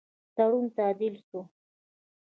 تړون تعدیل سو.